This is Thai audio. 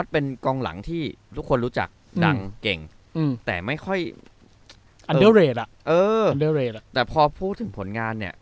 เป็นกองหลังที่ทุกคนรู้จักดังเก่งแต่ไม่ค่อยอันเดอร์เรทอ่ะแต่พอพูดถึงผลงานเนี่ย